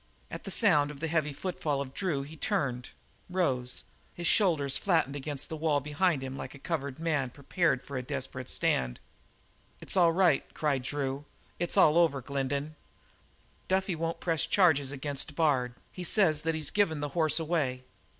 At the sound of the heavy footfall of Drew he turned, rose, his shoulders flattened against the wall behind him like a cornered man prepared for a desperate stand. "It's all right," cried Drew. "It's all over, Glendin. Duffy won't press any charges against Bard; he says that he's given the horse away.